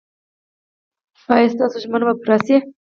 ایا ستاسو ژمنه به پوره شي؟